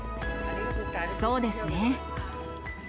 そうですね。